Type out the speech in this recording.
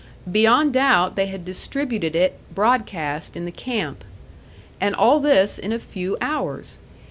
Beyond doubt they had distributed it broadcast in the camp. And all this in a few hours!